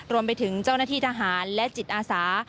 รวมไปถึงเจ้าหน้าที่ทหารและจิตอาสา